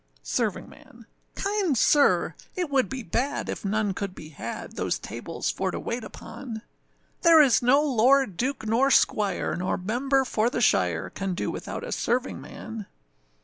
SERVINGMAN. Kind sir! it would be bad if none could be had Those tables for to wait upon; There is no lord, duke, nor squire, nor member for the shire, Can do without a servingman.